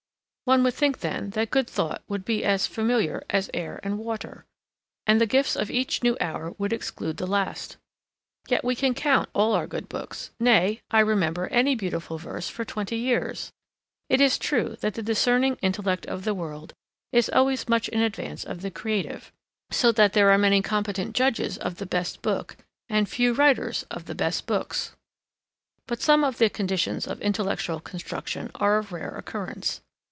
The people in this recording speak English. One would think then that good thought would be as familiar as air and water, and the gifts of each new hour would exclude the last. Yet we can count all our good books; nay, I remember any beautiful verse for twenty years. It is true that the discerning intellect of the world is always much in advance of the creative, so that there are many competent judges of the best book, and few writers of the best books. But some of the conditions of intellectual construction are of rare occurrence.